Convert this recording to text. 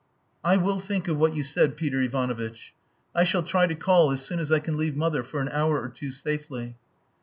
I will think of what you said, Peter Ivanovitch. I shall try to call as soon as I can leave mother for an hour or two safely."